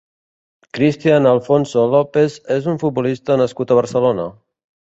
Christian Alfonso López és un futbolista nascut a Barcelona.